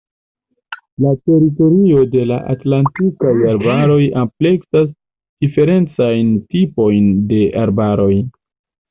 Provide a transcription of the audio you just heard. La teritorio de la Atlantikaj arbaroj ampleksas diferencajn tipojn de arbaroj.